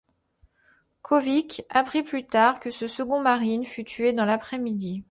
Kovic apprit plus tard que ce second marine fut tué dans l'après-midi.